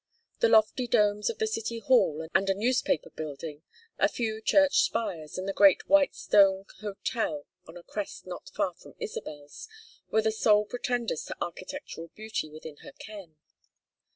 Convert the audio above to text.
The lofty domes of the City Hall and a newspaper building, a few church spires and the great white stone hotel on a crest not far from Isabel's, were the sole pretenders to architectural beauty within her ken.